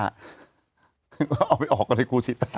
งั้นออกไปทำเป็นหลุมครูสิตา